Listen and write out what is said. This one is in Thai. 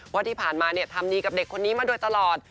ว่าที่ผ่านมาทำดีกับเด็กคนนี้มาโดยตลอด